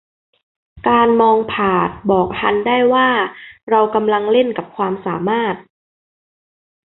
การมองผาดบอกฮันได้ว่า เรากำลังเล่นกับความสามารถ